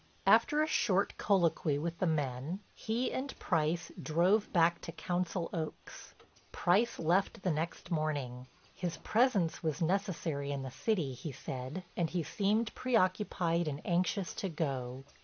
After a short colloquy with the men, he and Price drove back to Council Oaks. Price left the next morning. His presence was necessary in the city, he said, and he seemed preoccupied and anxious to go.